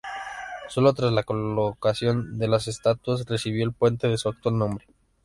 Solo tras la colocación de las estatuas recibió el puente su actual nombre.